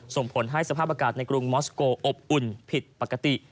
ส่งผลให้สภาพอากาศในกรุงมอสโกอบอุ่นผิดปกติ